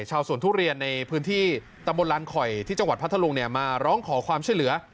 ชาวสวนทุเรียนในพื้นที่ตำบลลานคอยที่จังหวัดพัทธรุงมาร้องขอความช่วยเหลือ